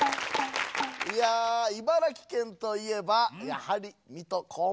いや茨城県といえばやはり水戸黄門様じゃな。